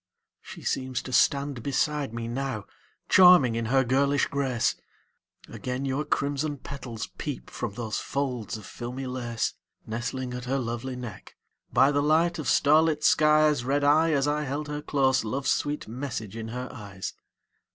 She seems to stand beside me now, Charming in her girlish grace; Again your crimson petals peep From those folds of filmy lace Nestling at her lovely neck. By the light of starlit skies Read I, as I held her close, Love's sweet message in her eyes.